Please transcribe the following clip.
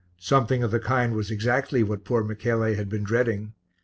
Something of the kind was exactly what poor Michele had been dreading.